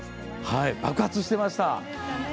爆発してました。